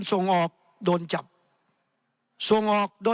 ในทางปฏิบัติมันไม่ได้